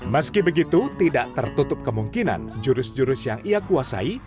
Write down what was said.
meski begitu tidak tertutup kemungkinan jurus jurus yang ia kuasai